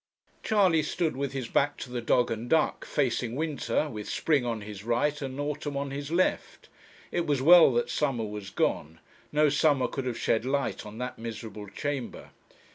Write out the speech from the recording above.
Charley stood with his back to the dog and duck, facing Winter, with Spring on his right and Autumn on his left; it was well that Summer was gone, no summer could have shed light on that miserable chamber.